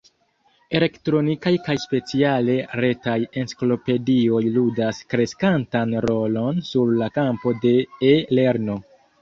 Elektronikaj kaj speciale retaj enciklopedioj ludas kreskantan rolon sur la kampo de e-lerno.